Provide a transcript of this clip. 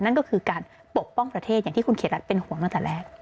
นั่นก็คือการปกป้องประเทศอย่างที่คุณเขตรัฐเป็นห่วงตั้งแต่แรก